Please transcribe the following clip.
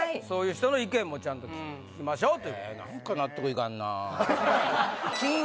そういう人の意見もちゃんと聞きましょうという事です。